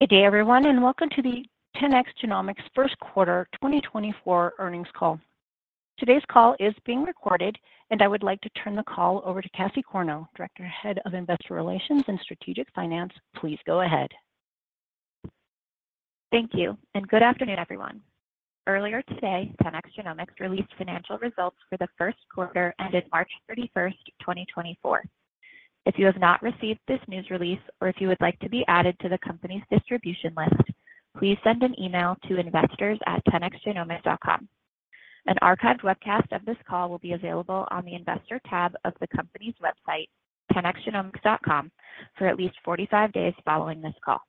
Good day, everyone, and welcome to the 10x Genomics Q1 2024 earnings call. Today's call is being recorded, and I would like to turn the call over to Cassie Corneau, Director, Head of Investor Relations and Strategic Finance. Please go ahead. Thank you, and good afternoon, everyone. Earlier today, 10x Genomics released financial results for the Q1 ended March 31, 2024. If you have not received this news release or if you would like to be added to the company's distribution list, please send an email to investors@10xgenomics.com. An archived webcast of this call will be available on the Investor tab of the company's website, 10xgenomics.com, for at least 45 days following this call.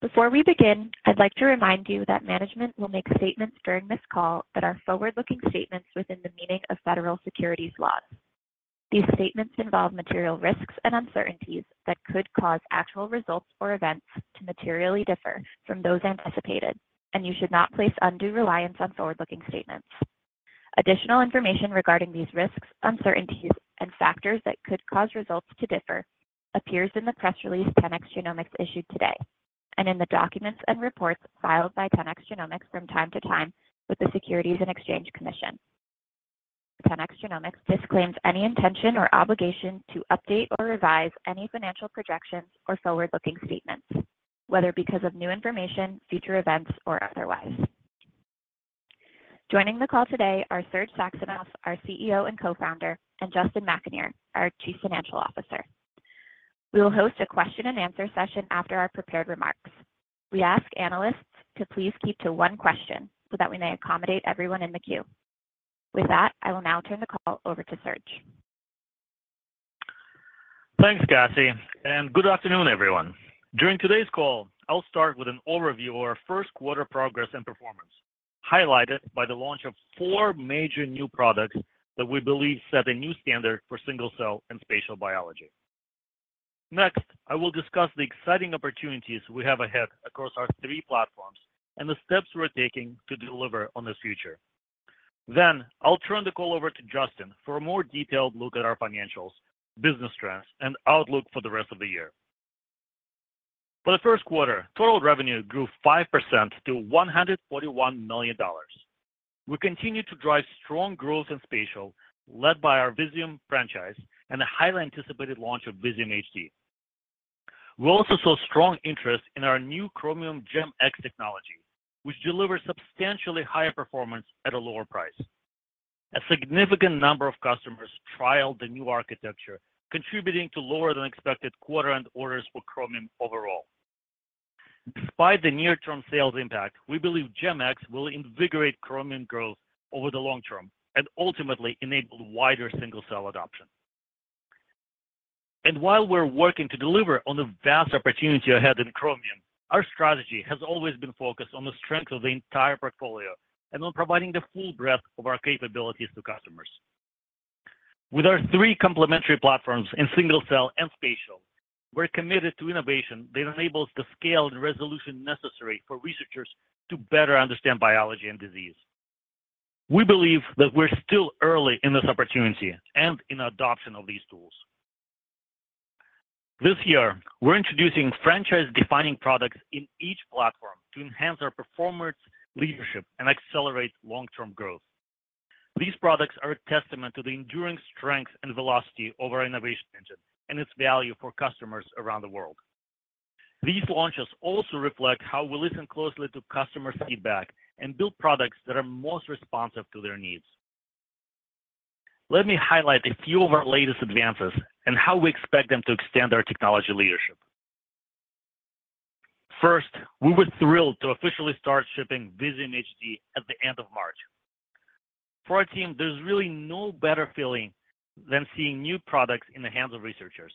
Before we begin, I'd like to remind you that management will make statements during this call that are forward-looking statements within the meaning of federal securities laws. These statements involve material risks and uncertainties that could cause actual results or events to materially differ from those anticipated, and you should not place undue reliance on forward-looking statements. Additional information regarding these risks, uncertainties, and factors that could cause results to differ appears in the press release 10x Genomics issued today, and in the documents and reports filed by 10x Genomics from time to time with the Securities and Exchange Commission. 10x Genomics disclaims any intention or obligation to update or revise any financial projections or forward-looking statements, whether because of new information, future events, or otherwise. Joining the call today are Serge Saxonov, our CEO and Co-founder, and Justin McAnear, our Chief Financial Officer. We will host a question and answer session after our prepared remarks. We ask analysts to please keep to one question so that we may accommodate everyone in the queue. With that, I will now turn the call over to Serge. Thanks, Cassie, and good afternoon, everyone. During today's call, I'll start with an overview of our Q1 progress and performance, highlighted by the launch of four major new products that we believe set a new standard for single-cell and spatial biology. Next, I will discuss the exciting opportunities we have ahead across our three platforms and the steps we're taking to deliver on this future. Then, I'll turn the call over to Justin for a more detailed look at our financials, business trends, and outlook for the rest of the year. For the Q1, total revenue grew 5% to $141 million. We continued to drive strong growth in spatial, led by our Visium franchise and the highly anticipated launch of Visium HD. We also saw strong interest in our new Chromium GEM-X technology, which delivers substantially higher performance at a lower price. A significant number of customers trialed the new architecture, contributing to lower than expected quarter-end orders for Chromium overall. Despite the near-term sales impact, we believe GEM-X will invigorate Chromium growth over the long term and ultimately enable wider single-cell adoption. And while we're working to deliver on the vast opportunity ahead in Chromium, our strategy has always been focused on the strength of the entire portfolio and on providing the full breadth of our capabilities to customers. With our three complementary platforms in single-cell and spatial, we're committed to innovation that enables the scale and resolution necessary for researchers to better understand biology and disease. We believe that we're still early in this opportunity and in adoption of these tools. This year, we're introducing franchise-defining products in each platform to enhance our performance, leadership, and accelerate long-term growth. These products are a testament to the enduring strength and velocity of our innovation engine and its value for customers around the world. These launches also reflect how we listen closely to customer feedback and build products that are most responsive to their needs. Let me highlight a few of our latest advances and how we expect them to extend our technology leadership. First, we were thrilled to officially start shipping Visium HD at the end of March. For our team, there's really no better feeling than seeing new products in the hands of researchers.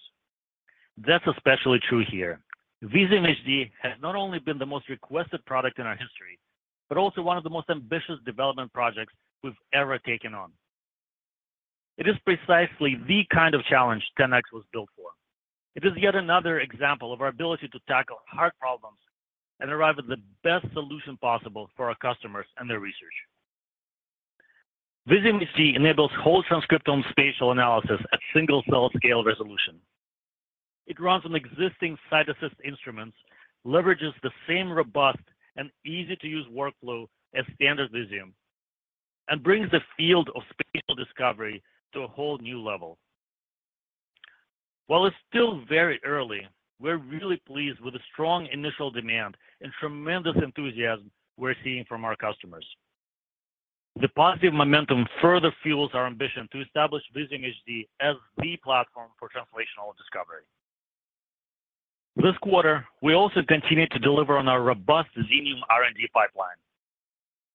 That's especially true here. Visium HD has not only been the most requested product in our history, but also one of the most ambitious development projects we've ever taken on. It is precisely the kind of challenge 10x was built for. It is yet another example of our ability to tackle hard problems and arrive at the best solution possible for our customers and their research. Visium HD enables whole transcriptome spatial analysis at single-cell scale resolution. It runs on existing CytAssist instruments, leverages the same robust and easy-to-use workflow as standard Visium, and brings the field of spatial discovery to a whole new level. While it's still very early, we're really pleased with the strong initial demand and tremendous enthusiasm we're seeing from our customers. The positive momentum further fuels our ambition to establish Visium HD as the platform for translational discovery. This quarter, we also continued to deliver on our robust Xenium R&D pipeline.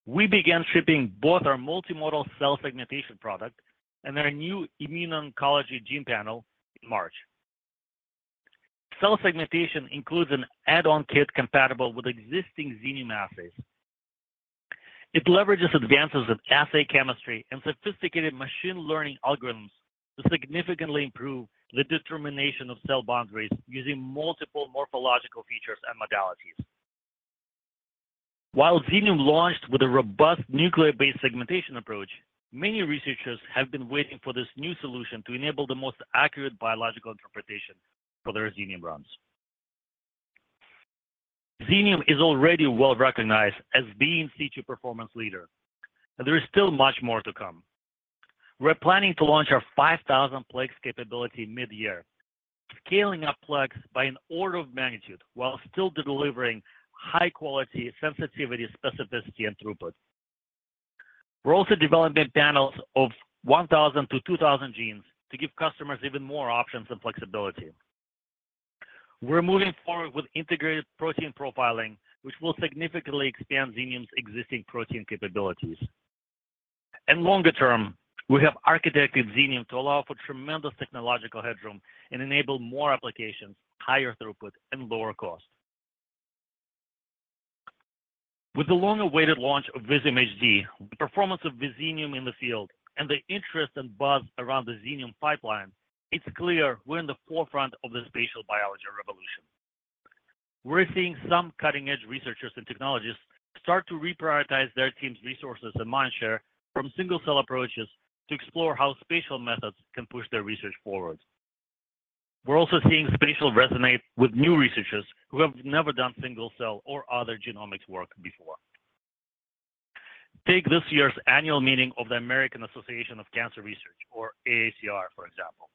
We began shipping both our multimodal cell segmentation product and our new immuno-oncology gene panel in March. Cell segmentation includes an add-on kit compatible with existing Xenium assays. It leverages advances in assay chemistry and sophisticated machine learning algorithms to significantly improve the determination of cell boundaries using multiple morphological features and modalities... While Xenium launched with a robust nuclear-based segmentation approach, many researchers have been waiting for this new solution to enable the most accurate biological interpretation for their Xenium runs. Xenium is already well recognized as being in situ performance leader, and there is still much more to come. We're planning to launch our 5,000 plex capability mid-year, scaling up plex by an order of magnitude, while still delivering high quality, sensitivity, specificity, and throughput. We're also developing panels of 1,000-2,000 genes to give customers even more options and flexibility. We're moving forward with integrated protein profiling, which will significantly expand Xenium's existing protein capabilities. Longer term, we have architected Xenium to allow for tremendous technological headroom and enable more applications, higher throughput, and lower cost. With the long-awaited launch of Visium HD, the performance of Visium in the field, and the interest and buzz around the Xenium pipeline, it's clear we're in the forefront of the spatial biology revolution. We're seeing some cutting-edge researchers and technologists start to reprioritize their team's resources and mindshare from single-cell approaches to explore how spatial methods can push their research forward. We're also seeing spatial resonate with new researchers who have never done single-cell or other genomics work before. Take this year's annual meeting of the American Association for Cancer Research, or AACR, for example.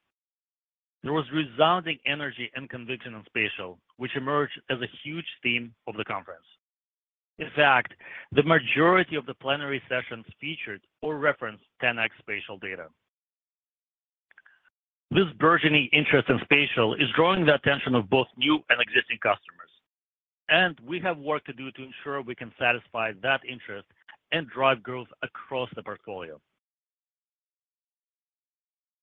There was resounding energy and conviction on spatial, which emerged as a huge theme of the conference. In fact, the majority of the plenary sessions featured or referenced 10x spatial data. This burgeoning interest in spatial is drawing the attention of both new and existing customers, and we have work to do to ensure we can satisfy that interest and drive growth across the portfolio.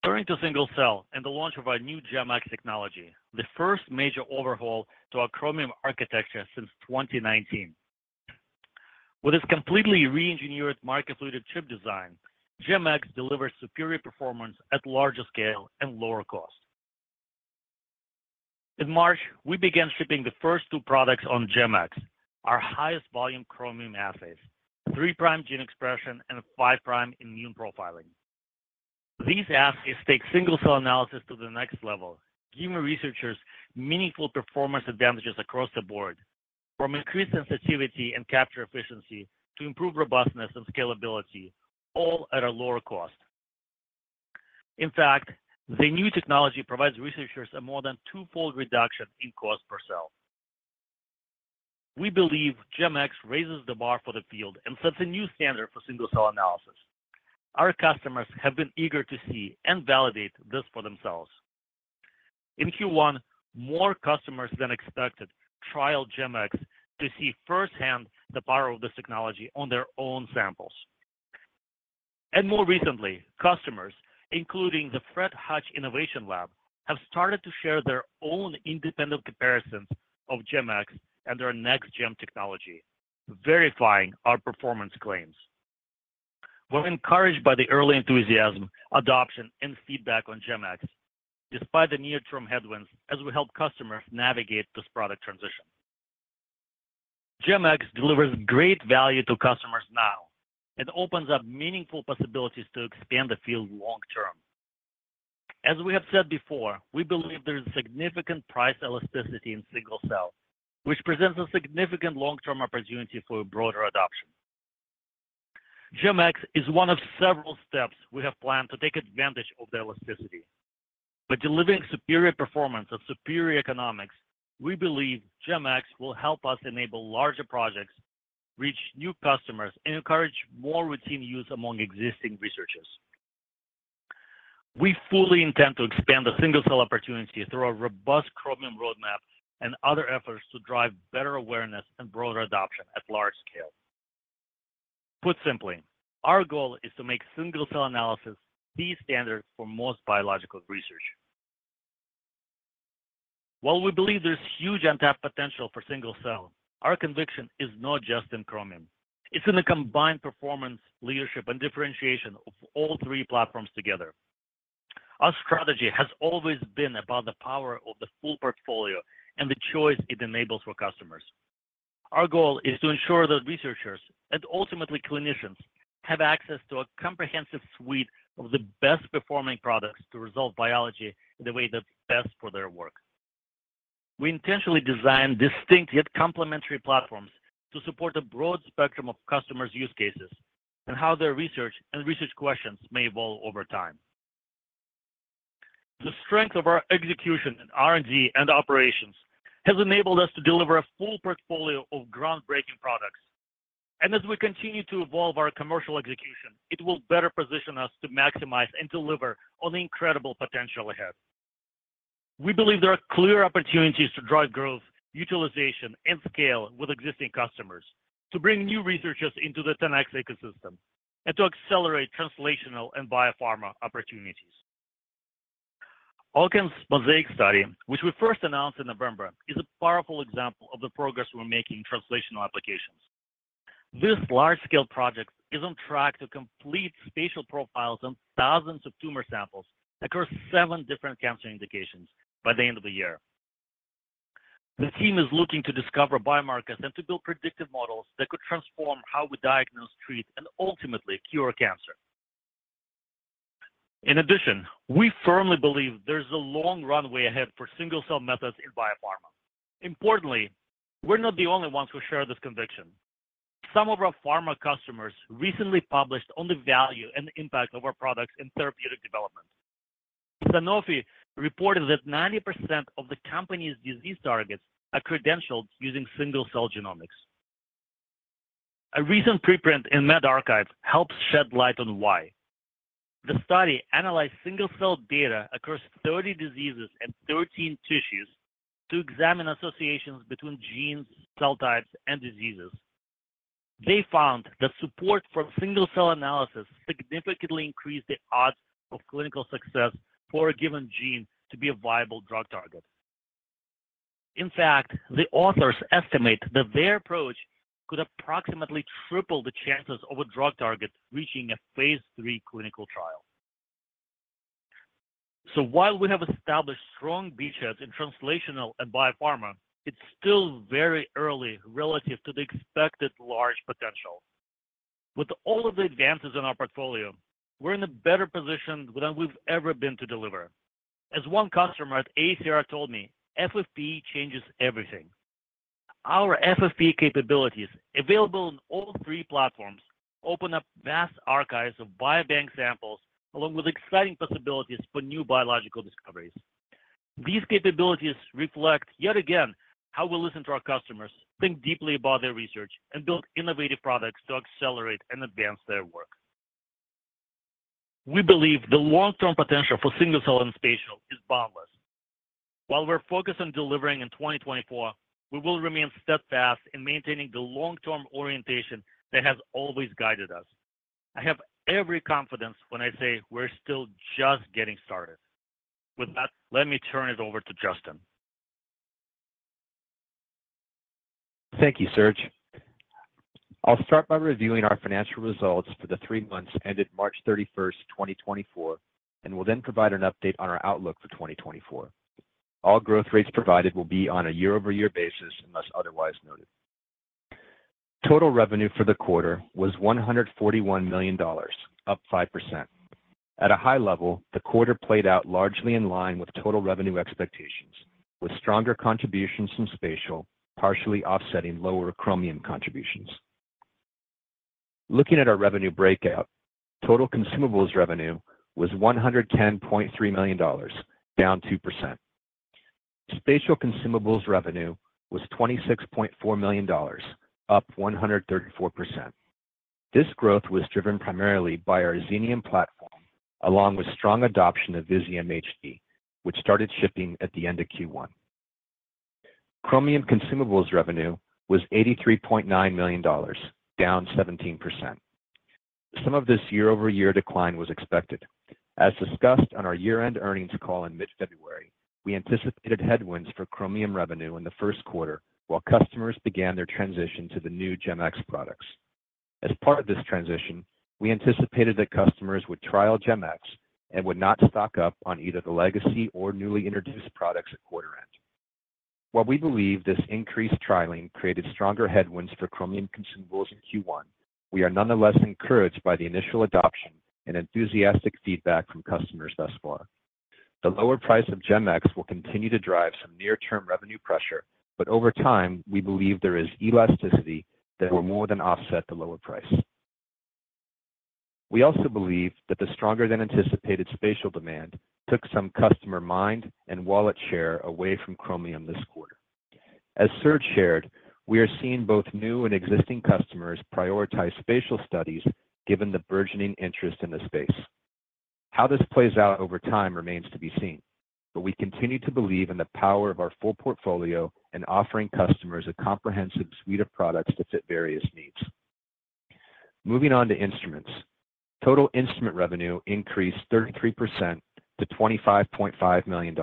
Turning to single-cell and the launch of our new GEM-X technology, the first major overhaul to our Chromium architecture since 2019. With its completely reengineered microfluidic chip design, GEM-X delivers superior performance at larger scale and lower cost. In March, we began shipping the first two products on GEM-X, our highest volume Chromium assays, 3' Gene Expression and 5' Immune Psingle-cellrofiling. These assays take single-cell analysis to the next level, giving researchers meaningful performance advantages across the board, from increased sensitivity and capture efficiency to improved robustness and scalability, all at a lower cost. In fact, the new technology provides researchers a more than twofold reduction in cost per cell. We believe GEM-X raises the bar for the field and sets a new standard for single-cell analysis. Our customers have been eager to see and validate this for themselves. In Q1, more customers than expected trial GEM-X to see firsthand the power of this technology on their own samples. And more recently, customers, including the Fred Hutch Innovation Lab, have started to share their own independent comparisons of GEM-X and their Next GEM technology, verifying our performance claims. We're encouraged by the early enthusiasm, adoption, and feedback on GEM-X, despite the near-term headwinds as we help customers navigate this product transition. GEM-X delivers great value to customers now and opens up meaningful possibilities to expand the field long term. As we have said before, we believe there is significant price elasticity in single-cell, which presents a significant long-term opportunity for broader adoption. GEM-X is one of several steps we have planned to take advantage of the elasticity. By delivering superior performance of superior economics, we believe GEM-X will help us enable larger projects, reach new customers, and encourage more routine use among existing researchers. We fully intend to expand the single-cell opportunity through a robust Chromium roadmap and other efforts to drive better awareness and broader adoption at large scale. Put simply, our goal is to make single-cell analysis the standard for most biological research. While we believe there's huge untapped potential for single cell, our conviction is not just in Chromium. It's in the combined performance, leadership, and differentiation of all three platforms together. Our strategy has always been about the power of the full portfolio and the choice it enables for customers. Our goal is to ensure that researchers, and ultimately clinicians, have access to a comprehensive suite of the best-performing products to resolve biology in the way that's best for their work. We intentionally designed distinct yet complementary platforms to support a broad spectrum of customers' use cases and how their research and research questions may evolve over time. The strength of our execution in R&D and operations has enabled us to deliver a full portfolio of groundbreaking products. As we continue to evolve our commercial execution, it will better position us to maximize and deliver on the incredible potential ahead. We believe there are clear opportunities to drive growth, utilization, and scale with existing customers, to bring new researchers into the 10x ecosystem, and to accelerate translational and biopharma opportunities. Alkermes MOSAIC study, which we first announced in November, is a powerful example of the progress we're making in translational applications... This large-scale project is on track to complete spatial profiles on thousands of tumor samples across seven different cancer indications by the end of the year. The team is looking to discover biomarkers and to build predictive models that could transform how we diagnose, treat, and ultimately cure cancer. In addition, we firmly believe there's a long runway ahead for single-cell methods in biopharma. Importantly, we're not the only ones who share this conviction. Some of our pharma customers recently published on the value and impact of our products in therapeutic development. Sanofi reported that 90% of the company's disease targets are credentialed using single-cell genomics. A recent preprint in medRxiv helps shed light on why. The study analyzed single-cell data across 30 diseases and 13 tissues to examine associations between genes, cell types, and diseases. They found that support from single-cell analysis significantly increased the odds of clinical success for a given gene to be a viable drug target. In fact, the authors estimate that their approach could approximately triple the chances of a drug target reaching a phase III clinical trial. While we have established strong beachheads in translational and biopharma, it's still very early relative to the expected large potential. With all of the advances in our portfolio, we're in a better position than we've ever been to deliver. As one customer at AACR told me, "FFPE changes everything." Our FFPE capabilities, available on all 3 platforms, open up vast archives of biobank samples, along with exciting possibilities for new biological discoveries. These capabilities reflect, yet again, how we listen to our customers, think deeply about their research, and build innovative products to accelerate and advance their work. We believe the long-term potential for single cell and spatial is boundless. While we're focused on delivering in 2024, we will remain steadfast in maintaining the long-term orientation that has always guided us. I have every confidence when I say we're still just getting started. With that, let me turn it over to Justin. Thank you, Serge. I'll start by reviewing our financial results for the three months ended March 31, 2024, and will then provide an update on our outlook for 2024. All growth rates provided will be on a year-over-year basis, unless otherwise noted. Total revenue for the quarter was $141 million, up 5%. At a high level, the quarter played out largely in line with total revenue expectations, with stronger contributions from spatial, partially offsetting lower Chromium contributions. Looking at our revenue breakout, total consumables revenue was $110.3 million, down 2%. Spatial consumables revenue was $26.4 million, up 134%. This growth was driven primarily by our Xenium platform, along with strong adoption of Visium HD, which started shipping at the end of Q1. Chromium consumables revenue was $83.9 million, down 17%. Some of this year-over-year decline was expected. As discussed on our year-end earnings call in mid-February, we anticipated headwinds for Chromium revenue in the Q1 while customers began their transition to the new GEM-X products. As part of this transition, we anticipated that customers would trial GEM-X and would not stock up on either the legacy or newly introduced products at quarter end. While we believe this increased trialing created stronger headwinds for Chromium consumables in Q1, we are nonetheless encouraged by the initial adoption and enthusiastic feedback from customers thus far. The lower price of GEM-X will continue to drive some near-term revenue pressure, but over time, we believe there is elasticity that will more than offset the lower price. We also believe that the stronger than anticipated spatial demand took some customer mind and wallet share away from Chromium this quarter. As Serge shared, we are seeing both new and existing customers prioritize spatial studies given the burgeoning interest in the space. How this plays out over time remains to be seen, but we continue to believe in the power of our full portfolio and offering customers a comprehensive suite of products to fit various needs. Moving on to instruments. Total instrument revenue increased 33% to $25.5 million.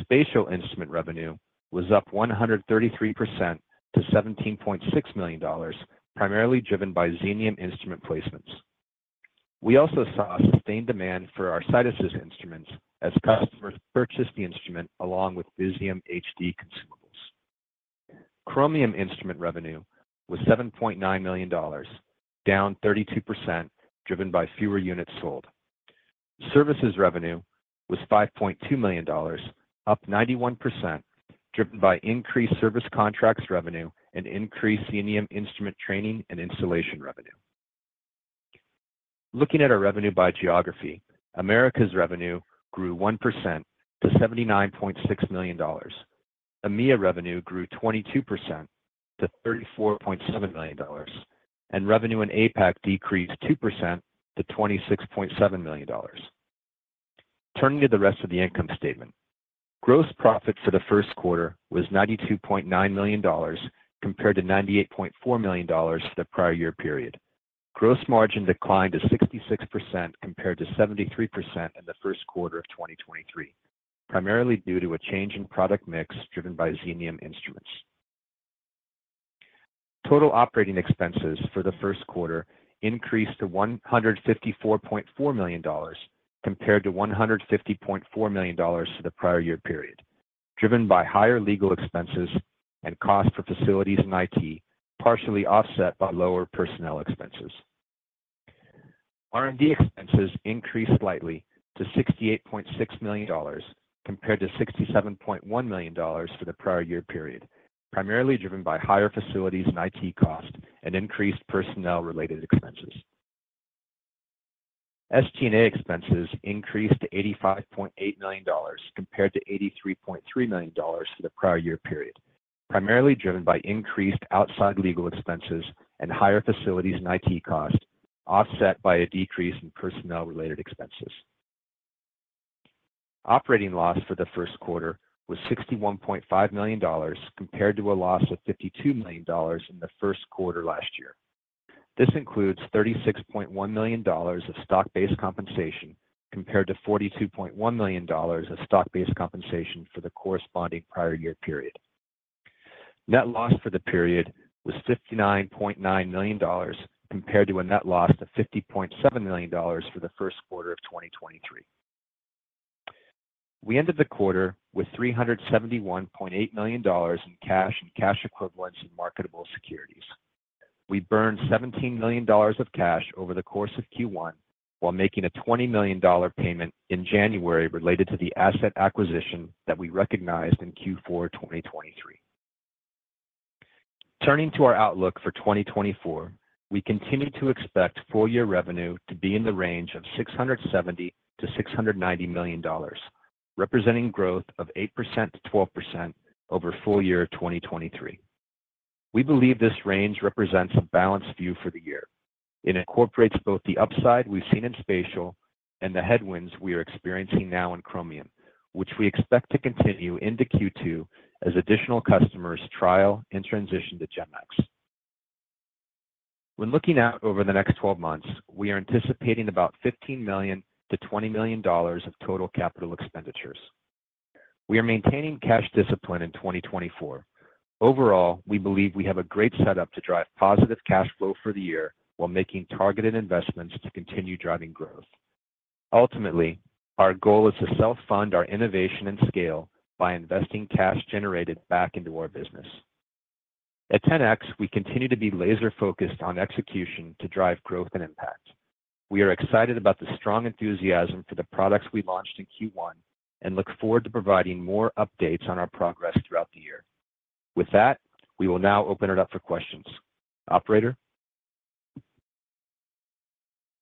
Spatial instrument revenue was up 133% to $17.6 million, primarily driven by Xenium instrument placements. We also saw a sustained demand for our CytAssist instruments as customers purchased the instrument along with Visium HD consumables. Chromium instrument revenue was $7.9 million, down 32%, driven by fewer units sold. Services revenue was $5.2 million, up 91%, driven by increased service contracts revenue and increased Xenium instrument training and installation revenue. Looking at our revenue by geography, Americas revenue grew 1% to $79.6 million, EMEA revenue grew 22% to $34.7 million, and revenue in APAC decreased 2% to $26.7 million. Turning to the rest of the income statement. Gross profit for the Q1 was $92.9 million, compared to $98.4 million for the prior year period. Gross margin declined to 66% compared to 73% in the Q1 of 2023, primarily due to a change in product mix driven by Xenium instruments. Total operating expenses for the Q1 increased to $154.4 million, compared to $150.4 million for the prior year period, driven by higher legal expenses and costs for facilities and IT, partially offset by lower personnel expenses. R&D expenses increased slightly to $68.6 million, compared to $67.1 million for the prior year period, primarily driven by higher facilities and IT costs and increased personnel-related expenses. SG&A expenses increased to $85.8 million, compared to $83.3 million for the prior year period, primarily driven by increased outside legal expenses and higher facilities and IT costs, offset by a decrease in personnel-related expenses. Operating loss for the Q1 was $61.5 million, compared to a loss of $52 million in the Q1 last year. This includes $36.1 million of stock-based compensation, compared to $42.1 million of stock-based compensation for the corresponding prior year period. Net loss for the period was $59.9 million, compared to a net loss of $50.7 million for the Q1 of 2023. We ended the quarter with $371.8 million in cash and cash equivalents in marketable securities. We burned $17 million of cash over the course of Q1, while making a $20 million dollar payment in January related to the asset acquisition that we recognized in Q4 2023. Turning to our outlook for 2024, we continue to expect full-year revenue to be in the range of $670 million-$690 million, representing growth of 8%-12% over full year 2023. We believe this range represents a balanced view for the year. It incorporates both the upside we've seen in spatial and the headwinds we are experiencing now in Chromium, which we expect to continue into Q2 as additional customers trial and transition to GEM-X. When looking out over the next 12 months, we are anticipating about $15 million-$20 million of total capital expenditures. We are maintaining cash discipline in 2024. Overall, we believe we have a great setup to drive positive cash flow for the year while making targeted investments to continue driving growth. Ultimately, our goal is to self-fund our innovation and scale by investing cash generated back into our business. At 10x, we continue to be laser-focused on execution to drive growth and impact. We are excited about the strong enthusiasm for the products we launched in Q1 and look forward to providing more updates on our progress throughout the year. With that, we will now open it up for questions. Operator?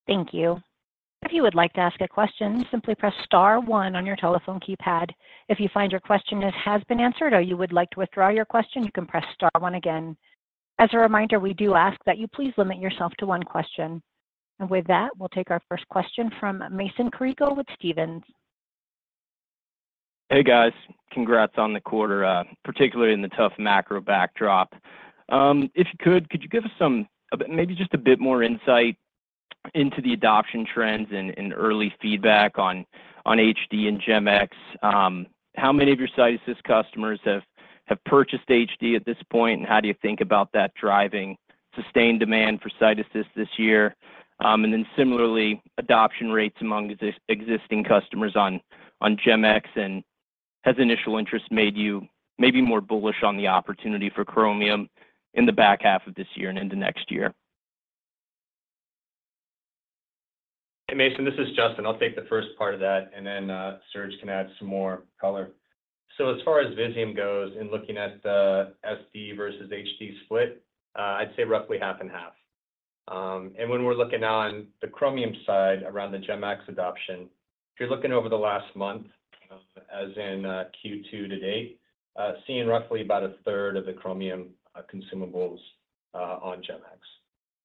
Thank you. If you would like to ask a question, simply press star one on your telephone keypad. If you find your question has been answered or you would like to withdraw your question, you can press star one again. As a reminder, we do ask that you please limit yourself to one question. With that, we'll take our first question from Mason Carrico with Stephens. Hey, guys. Congrats on the quarter, particularly in the tough macro backdrop. If you could, could you give us some, a bit - maybe just a bit more insight into the adoption trends and early feedback on HD and GEM-X? How many of your CytAssist customers have purchased HD at this point, and how do you think about that driving sustained demand for CytAssist this year? And then similarly, adoption rates among existing customers on GEM-X, and has initial interest made you maybe more bullish on the opportunity for Chromium in the back half of this year and into next year? Hey, Mason, this is Justin. I'll take the first part of that, and then, Serge can add some more color. So as far as Visium goes, in looking at the SD versus HD split, I'd say roughly half and half. And when we're looking on the Chromium side around the GEM-X adoption, if you're looking over the last month, as in, Q2 to date, seeing roughly about a third of the Chromium consumables, on GEM-X.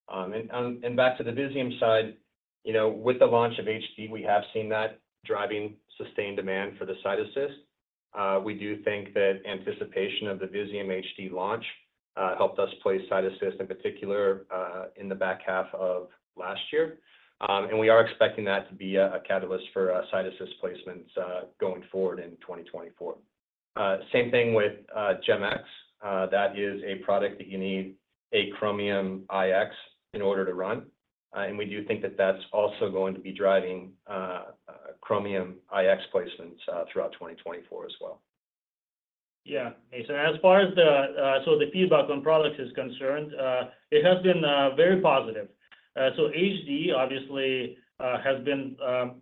And back to the Visium side, you know, with the launch of HD, we have seen that driving sustained demand for the CytAssist. We do think that anticipation of the Visium HD launch, helped us place CytAssist, in particular, in the back half of last year. And we are expecting that to be a catalyst for CytAssist placements going forward in 2024. Same thing with GemX. That is a product that you need a Chromium iX in order to run, and we do think that that's also going to be driving Chromium iX placements throughout 2024 as well. Yeah, Mason, as far as the feedback on product is concerned, it has been very positive. So HD obviously has been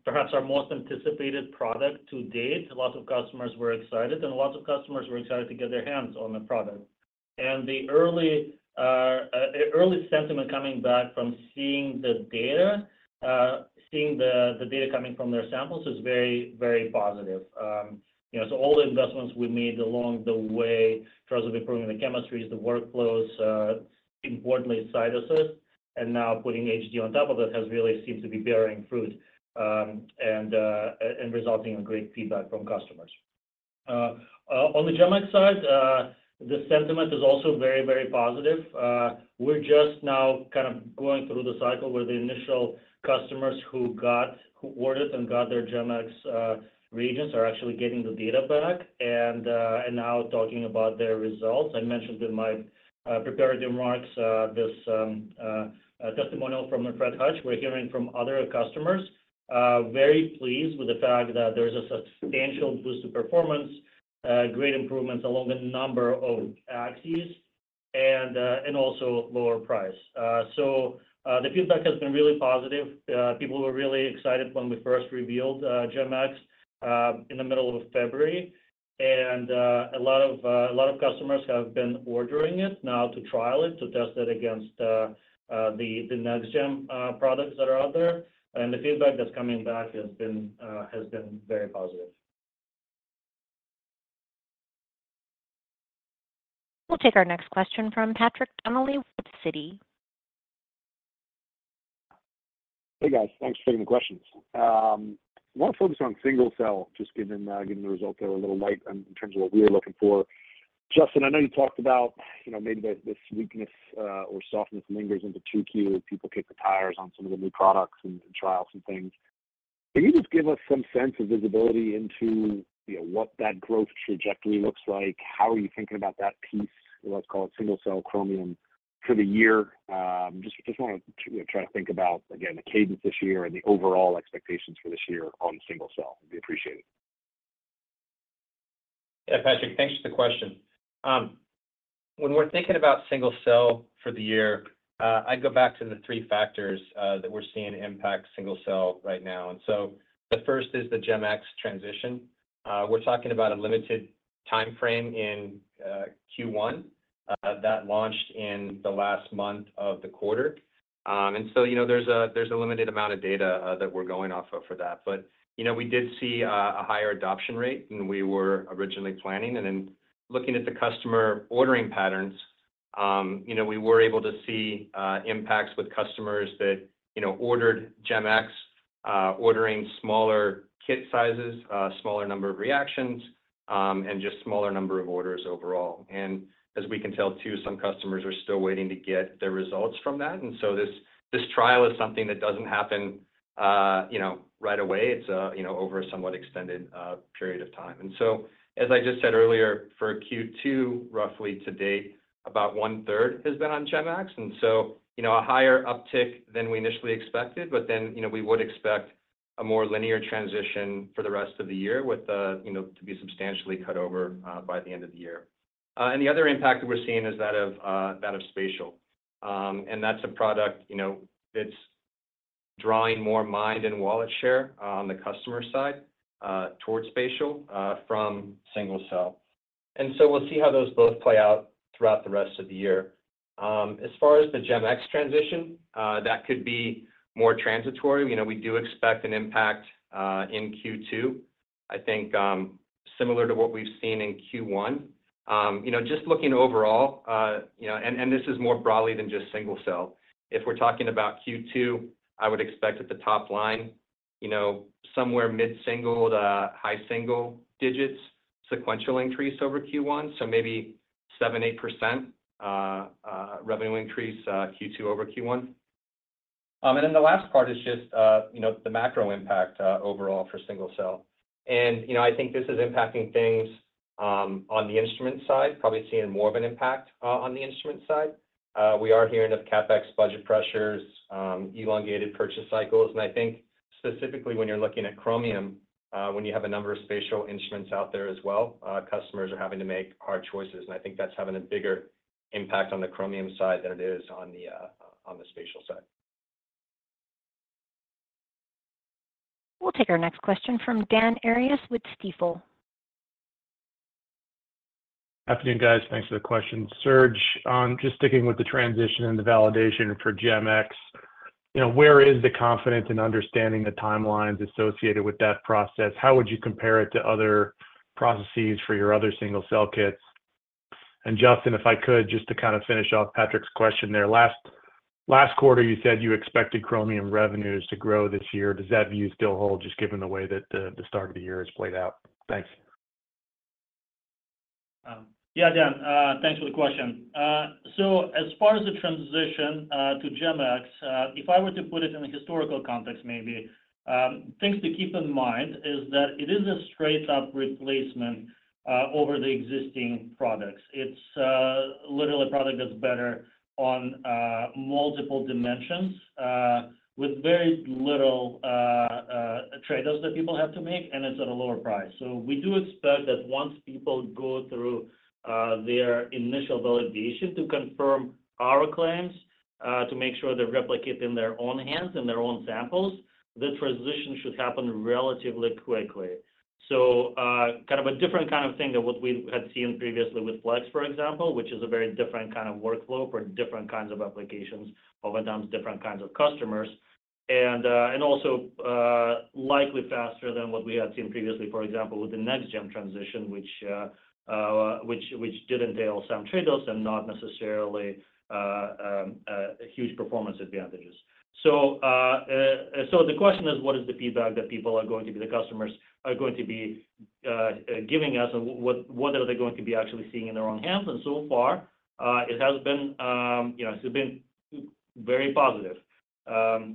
perhaps our most anticipated product to date. Lots of customers were excited, and lots of customers were excited to get their hands on the product. And the early sentiment coming back from seeing the data, seeing the data coming from their samples is very, very positive. You know, so all the investments we made along the way, in terms of improving the chemistries, the workflows, importantly, CytAssist, and now putting HD on top of it, has really seemed to be bearing fruit, and resulting in great feedback from customers. On the GEM-X side, the sentiment is also very, very positive. We're just now kind of going through the cycle where the initial customers who ordered and got their GEM-X reagents are actually getting the data back, and now talking about their results. I mentioned in my prepared remarks this, a testimonial from Fred Hutch. We're hearing from other customers, very pleased with the fact that there is a substantial boost in performance, great improvements along a number of axes, and also lower price. So, the feedback has been really positive. People were really excited when we first revealed GEM-X in the middle of February. And, a lot of a lot of customers have been ordering it now to trial it, to test it against the the Next GEM products that are out there. The feedback that's coming back has been very positive. We'll take our next question from Patrick Donnelly with Citi. Hey, guys. Thanks for taking the questions. I want to focus on single-cell, just given the results that are a little light in terms of what we're looking for. Justin, I know you talked about, you know, maybe that this weakness or softness lingers into Q2 as people kick the tires on some of the new products and trial some things. Can you just give us some sense of visibility into, you know, what that growth trajectory looks like? How are you thinking about that piece, let's call it single-cell chromium, for the year? I just wanted to try to think about, again, the cadence this year and the overall expectations for this year on single cell. It'd be appreciated. Yeah, Patrick, thanks for the question. When we're thinking about single cell for the year, I'd go back to the three factors that we're seeing impact single cell right now. And so the first is the GEM-X transition. We're talking about a limited timeframe in Q1 that launched in the last month of the quarter. And so, you know, there's a limited amount of data that we're going off of for that. But, you know, we did see a higher adoption rate than we were originally planning. And then looking at the customer ordering patterns, you know, we were able to see impacts with customers that you know, ordered GEM-X, ordering smaller kit sizes, smaller number of reactions, and just smaller number of orders overall. And as we can tell, too, some customers are still waiting to get their results from that, and so this, this trial is something that doesn't happen, you know, right away. It's, you know, over a somewhat extended, period of time. And so, as I just said earlier, for Q2, roughly to date, about one-third has been on GEM-X, and so, you know, a higher uptick than we initially expected. But then, you know, we would expect a more linear transition for the rest of the year with the, you know, to be substantially cut over, by the end of the year. And the other impact that we're seeing is that of, that of spatial. And that's a product, you know, it's drawing more mind and wallet share, on the customer side, towards spatial, from single cell. And so we'll see how those both play out throughout the rest of the year. As far as the GEM-X transition, that could be more transitory. You know, we do expect an impact in Q2, I think, similar to what we've seen in Q1. You know, just looking overall, you know, and this is more broadly than just single cell. If we're talking about Q2, I would expect at the top line, you know, somewhere mid-single to high single digits sequential increase over Q1, so maybe 7%-8% revenue increase Q2 over Q1. And then the last part is just, you know, the macro impact overall for single cell. You know, I think this is impacting things on the instrument side, probably seeing more of an impact on the instrument side. We are hearing of CapEx budget pressures, elongated purchase cycles. I think specifically when you're looking at Chromium, when you have a number of spatial instruments out there as well, customers are having to make hard choices, and I think that's having a bigger impact on the Chromium side than it is on the spatial side. We'll take our next question from Dan Arias with Stifel. Good afternoon, guys. Thanks for the question. Serge, just sticking with the transition and the validation for GEM-X, you know, where is the confidence in understanding the timelines associated with that process? How would you compare it to other processes for your other single-cell kits? And Justin, if I could, just to kind of finish off Patrick's question there. Last quarter, you said you expected Chromium revenues to grow this year. Does that view still hold, just given the way that the start of the year has played out? Thanks. Yeah, Dan, thanks for the question. So as far as the transition to GEM-X, if I were to put it in a historical context, maybe, things to keep in mind is that it is a straight-up replacement over the existing products. It's literally a product that's better on multiple dimensions with very little trade-offs that people have to make, and it's at a lower price. So we do expect that once people go through their initial validation to confirm our claims to make sure they replicate in their own hands, in their own samples, the transition should happen relatively quickly. So kind of a different kind of thing than what we had seen previously with Flex, for example, which is a very different kind of workflow for different kinds of applications over different kinds of customers. And also likely faster than what we had seen previously, for example, with the Next GEM transition, which did entail some trade-offs and not necessarily huge performance advantages. So the question is, what is the feedback that people are going to be—the customers are going to be giving us, what are they going to be actually seeing in their own hands? And so far, it has been, you know, it's been very positive.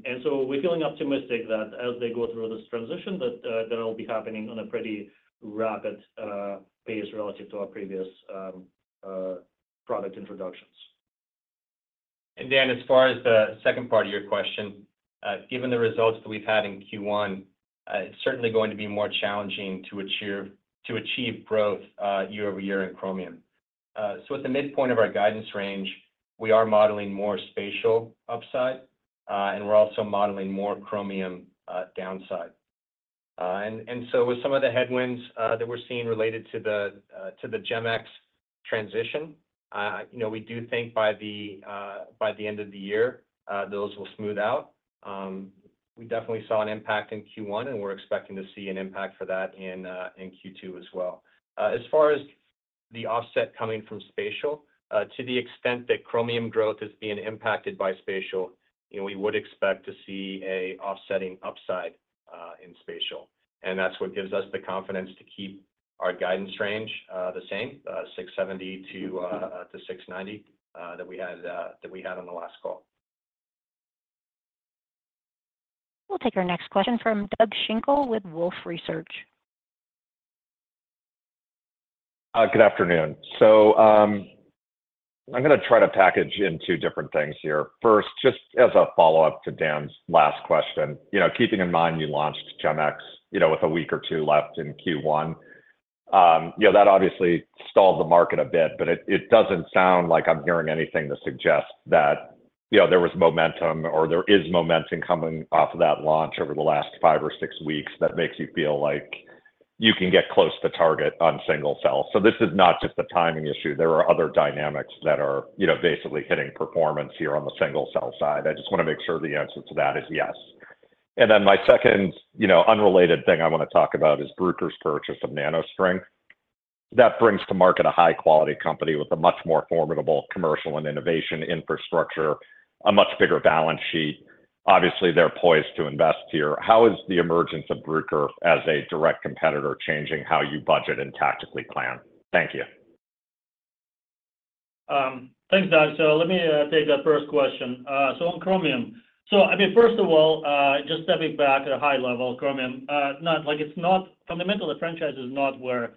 And so we're feeling optimistic that as they go through this transition, that that'll be happening on a pretty rapid pace relative to our previous product introductions. And Dan, as far as the second part of your question, given the results that we've had in Q1, it's certainly going to be more challenging to achieve, to achieve growth year-over-year in Chromium. So at the midpoint of our guidance range, we are modeling more spatial upside, and we're also modeling more Chromium downside. And so with some of the headwinds that we're seeing related to the GEM-X transition, you know, we do think by the end of the year, those will smooth out. We definitely saw an impact in Q1, and we're expecting to see an impact for that in Q2 as well. As far as the offset coming from spatial, to the extent that Chromium growth is being impacted by spatial, you know, we would expect to see an offsetting upside in spatial. And that's what gives us the confidence to keep our guidance range the same, $670 million-$690 million, that we had on the last call. We'll take our next question from Doug Schenkel with Wolfe Research. Good afternoon. So, I'm gonna try to package in two different things here. First, just as a follow-up to Dan's last question, you know, keeping in mind you launched GEM-X, you know, with a week or two left in Q1. You know, that obviously stalled the market a bit, but it, it doesn't sound like I'm hearing anything to suggest that, you know, there was momentum or there is momentum coming off of that launch over the last five or six weeks that makes you feel like you can get close to target on single cell. So this is not just a timing issue, there are other dynamics that are, you know, basically hitting performance here on the single-cell side. I just wanna make sure the answer to that is yes. And then my second, you know, unrelated thing I want to talk about is Bruker's purchase of NanoString. That brings to market a high quality company with a much more formidable commercial and innovation infrastructure, a much bigger balance sheet. Obviously, they're poised to invest here. How is the emergence of Bruker as a direct competitor changing how you budget and tactically plan? Thank you. Thanks, Doug. So let me take that first question. So on Chromium, so, I mean, first of all, just stepping back at a high level, Chromium, fundamentally, the franchise is not where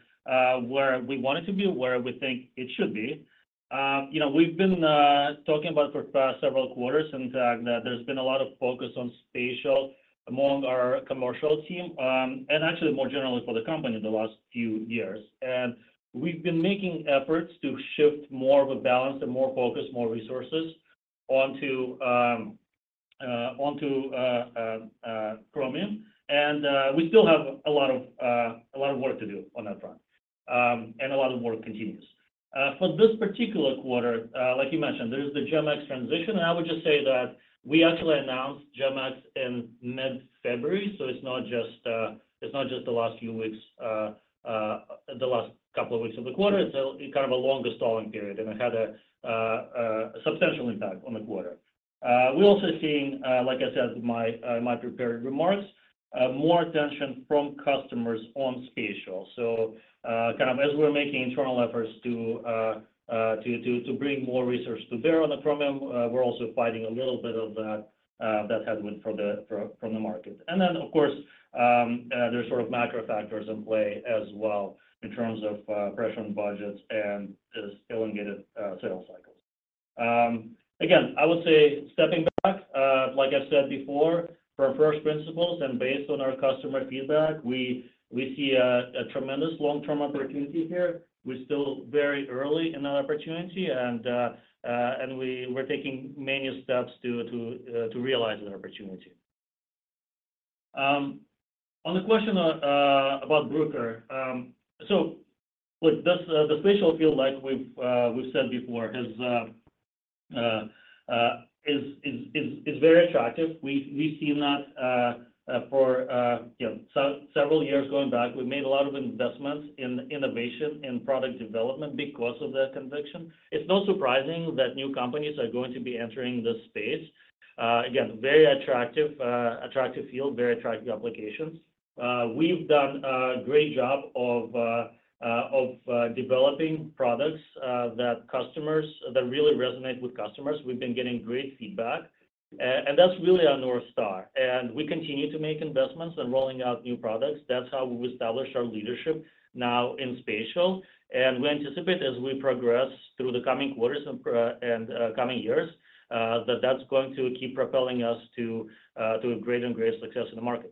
we want it to be, where we think it should be. You know, we've been talking about for several quarters, and that there's been a lot of focus on Spatial among our commercial team, and actually more generally for the company in the last few years. And we've been making efforts to shift more of a balance and more focus, more resources onto Chromium. And we still have a lot of work to do on that front, and a lot of work continues. For this particular quarter, like you mentioned, there is the GEM-X transition, and I would just say that we actually announced GEM-X in mid-February, so it's not just the last few weeks, the last couple of weeks of the quarter. It's kind of a longer stalling period, and it had a substantial impact on the quarter. We're also seeing, like I said, in my prepared remarks, more attention from customers on spatial. So, kind of as we're making internal efforts to bring more research to bear on the Chromium, we're also fighting a little bit of that headwind from the market. And then, of course, there's sort of macro factors in play as well in terms of pressure on budgets and this elongated sales cycles. Again, I would say stepping back, like I said before, for our first principles and based on our customer feedback, we see a tremendous long-term opportunity here. We're still very early in that opportunity, and we're taking many steps to realize that opportunity. On the question about Bruker, so look, the spatial field, like we've said before, is very attractive. We've seen that, you know, for several years going back. We've made a lot of investments in innovation and product development because of that conviction. It's not surprising that new companies are going to be entering this space. Again, very attractive, attractive field, very attractive applications. We've done a great job of developing products that customers-- that really resonate with customers. We've been getting great feedback, and that's really our North Star, and we continue to make investments and rolling out new products. That's how we established our leadership now in spatial. And we anticipate, as we progress through the coming quarters and, and, coming years, that that's going to keep propelling us to, to greater and greater success in the market.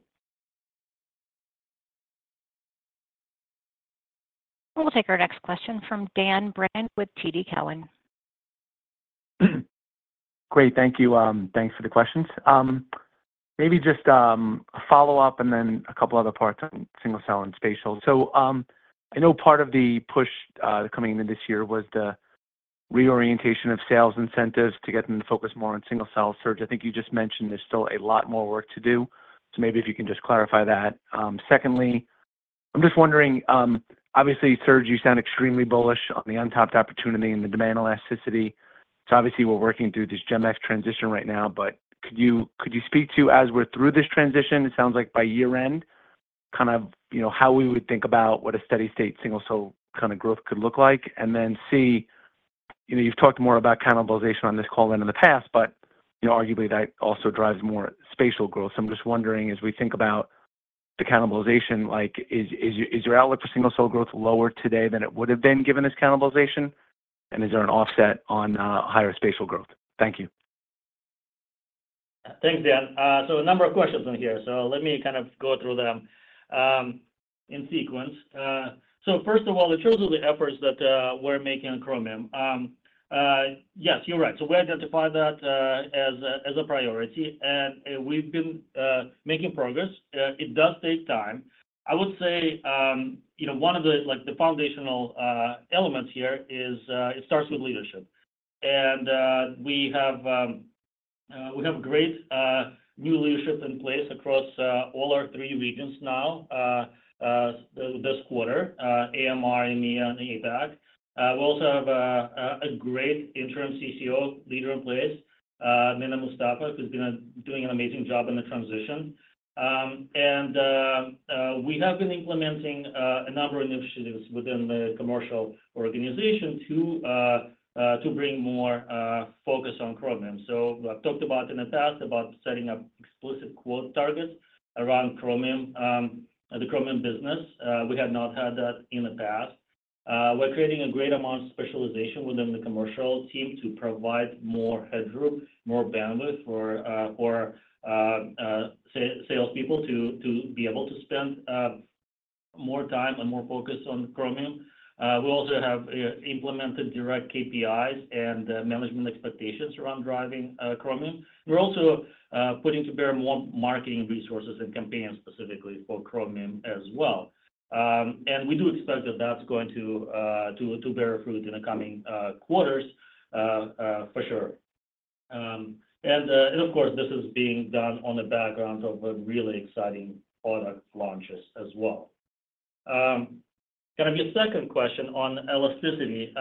We'll take our next question from Dan Brennan with TD Cowen. Great, thank you. Thanks for the questions. Maybe just a follow-up and then a couple other parts on single-cell and spatial. So, I know part of the push coming into this year was the reorientation of sales incentives to get them to focus more on single-cell sales. I think you just mentioned there's still a lot more work to do, so maybe if you can just clarify that. Secondly, I'm just wondering, obviously, Serge, you sound extremely bullish on the untapped opportunity and the demand elasticity. So obviously, we're working through this GEM-X transition right now, but could you speak to as we're through this transition, it sounds like by year-end, kind of, you know, how we would think about what a steady state single-cell kind of growth could look like? And then C, you know, you've talked more about cannibalization on this call than in the past, but, you know, arguably, that also drives more spatial growth. So I'm just wondering, as we think about the cannibalization, like, is, is your, is your outlook for single-cell growth lower today than it would have been given this cannibalization? And is there an offset on higher spatial growth? Thank you. Thanks, Dan. So a number of questions in here, so let me kind of go through them in sequence. So first of all, in terms of the efforts that we're making on Chromium. Yes, you're right. So we identify that as a priority, and we've been making progress. It does take time. I would say, you know, one of the, like, the foundational elements here is it starts with leadership. And we have great new leadership in place across all our three regions now, this quarter, AMR, EMEA, and APAC. We also have a great interim CCO leader in place, Mina Moustafa, who's been doing an amazing job in the transition. We have been implementing a number of initiatives within the commercial organization to bring more focus on Chromium. So I've talked about in the past about setting up explicit quota targets around Chromium, the Chromium business. We had not had that in the past. We're creating a great amount of specialization within the commercial team to provide more headroom, more bandwidth for salespeople to be able to spend more time and more focus on Chromium. We also have implemented direct KPIs and management expectations around driving Chromium. We're also putting to bear more marketing resources and campaigns specifically for Chromium as well. We do expect that that's going to bear fruit in the coming quarters for sure. And of course, this is being done on the background of a really exciting product launches as well. Kind of your second question on elasticity.